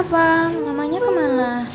adek kenapa mamanya kemana